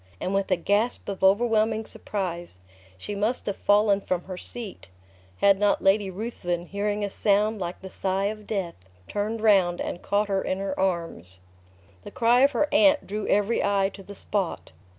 and with a gasp of overwhelming surprise, she must have fallen from her seat, had not Lady Ruthven, hearing a sound like the sigh of death, turned round, and caught her in her arms. The cry of her aunt drew every eye to the spot.